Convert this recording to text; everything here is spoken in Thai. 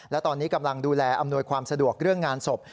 และตอนนี้กำลังดูแลอำนวยความสะดวกเรื่องงานศพ